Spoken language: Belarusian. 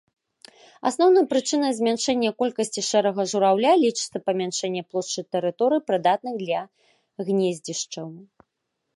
Асноўнай прычынай змяншэння колькасці шэрага жураўля лічыцца памяншэнне плошчы тэрыторый, прыдатных для гнездзішчаў.